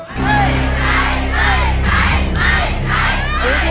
ไม่ใช้ไม่ใช้ไม่ใช้